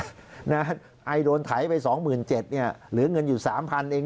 ไอโดนไถไป๒๗๐๐เนี่ยเหลือเงินอยู่๓๐๐เอง